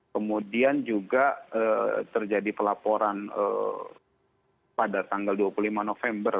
kemudian juga terjadi pelaporan pada tanggal dua puluh lima november